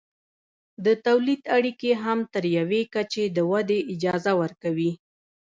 د تولید اړیکې هم تر یوې کچې د ودې اجازه ورکوي.